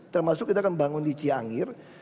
termasuk kita akan bangun di ciangir